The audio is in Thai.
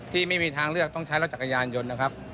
ที่ไม่มีทางเลือกต้องใช้รถจักรยานยนต์นะครับ